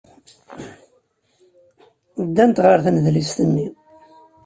Ddant ɣer tnedlist-nni.